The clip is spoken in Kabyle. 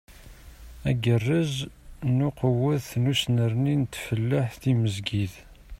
Agerrez n uqewwet d usnerni n tfellaḥt timezgit.